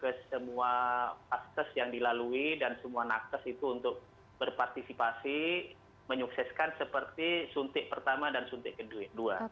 ke semua paskes yang dilalui dan semua nakes itu untuk berpartisipasi menyukseskan seperti suntik pertama dan suntik kedua